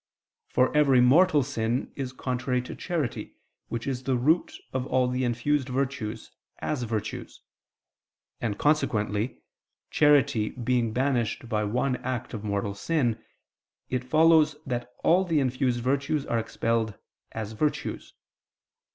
For every mortal sin is contrary to charity, which is the root of all the infused virtues, as virtues; and consequently, charity being banished by one act of mortal sin, it follows that all the infused virtues are expelled _as virtues.